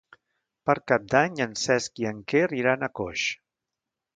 Per Cap d'Any en Cesc i en Quer iran a Coix.